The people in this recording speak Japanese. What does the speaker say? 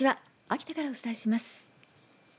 秋田からお伝えします。